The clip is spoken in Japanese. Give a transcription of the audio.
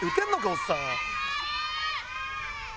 おっさん。